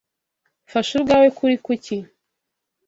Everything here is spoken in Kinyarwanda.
Fasha ubwawe kuri kuki.